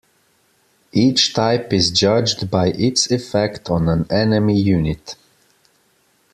Each type is judged by its effect on an enemy unit.